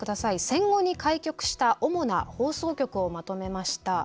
戦後に開局した主な放送局をまとめました。